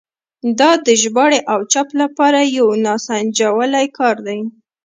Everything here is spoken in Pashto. دا د ژباړې او چاپ لپاره یو ناسنجولی کار دی.